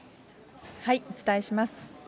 お伝えします。